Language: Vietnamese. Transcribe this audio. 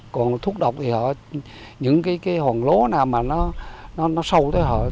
còn thuốc độc thì họ những cái hòn lố nào mà nó sâu tới họ